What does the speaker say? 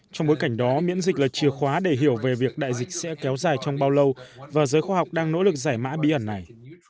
trong bối cảnh đó miễn dịch là chìa khóa để hiểu về việc đại dịch sẽ kéo dài trong bao lâu và giới khoa học đang nỗ lực giải mã bí ẩn này